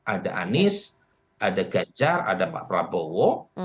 ada anies ada ganjar ada pak prabowo